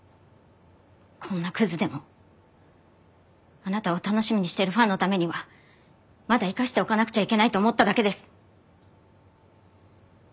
こんなクズでもあなたを楽しみにしているファンのためにはまだ生かしておかなくちゃいけないと思っただけです。